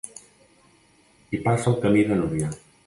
Hi passa el Camí de Núria.